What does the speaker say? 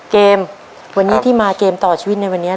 เกมวันนี้ที่มาเกมต่อชีวิตในวันนี้